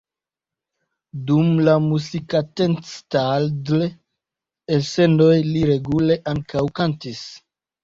Dum la "Musikantenstadl"-elsendoj li regule ankaŭ kantis.